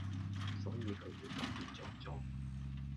所以佢哋特別作狀⠀